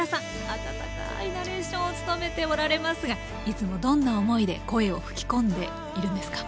あたたかいナレーションを務めておられますがいつもどんな思いで声を吹き込んでいるんですか？